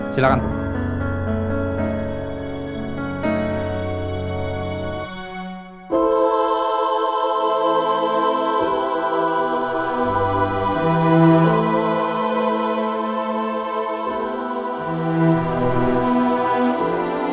selalu ada buat lo